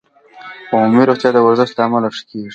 عمومي روغتیا د ورزش له امله ښه کېږي.